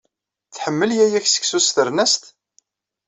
Tḥemmel yaya-k seksu s ternast?